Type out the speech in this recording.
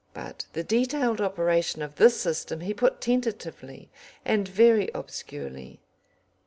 But the detailed operation of this system he put tentatively and very obscurely.